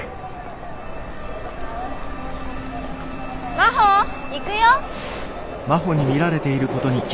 真帆行くよ。